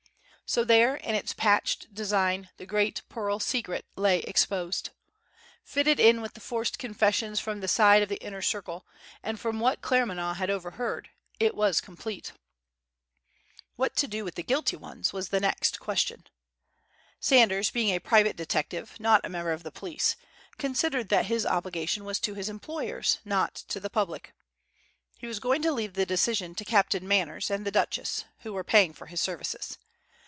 So there, in its patched design, the great pearl secret lay exposed! Fitted in with the forced confessions from the side of the Inner Circle, and from what Claremanagh had overheard, it was complete. What to do with the guilty ones was the next question. Sanders being a private detective, not a member of the police, considered that his obligation was to his employers, not to the public. He was going to leave the decision to Captain Manners and the Duchess who were paying for his services.